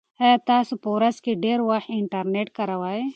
ایا تاسي په ورځ کې ډېر وخت انټرنيټ کاروئ؟